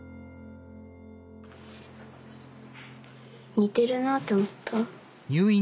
似てるなあと思った。